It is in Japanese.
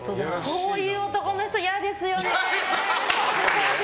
こういう男の人嫌ですよね！